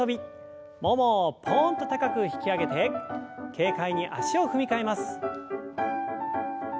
ももをポンと高く引き上げて軽快に足を踏み替えます。